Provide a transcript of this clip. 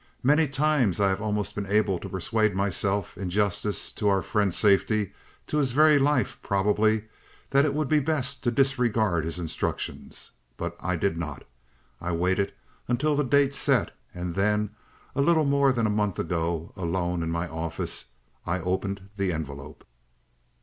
Many times I have almost been able to persuade myself, in justice to our friend's safety his very life, probably that it would be best to disregard his instructions. But I did not; I waited until the date set and then, a little more than a month ago, alone in my office, I opened the envelope."